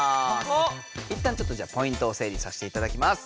いったんちょっとポイントを整理させていただきます。